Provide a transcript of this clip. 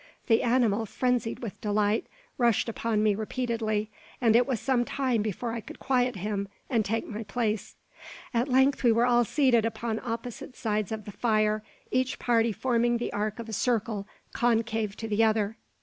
The animal, frenzied with delight, rushed upon me repeatedly; and it was some time before I could quiet him and take my place. At length we all were seated upon opposite sides of the fire, each party forming the arc of a circle, concave to the other.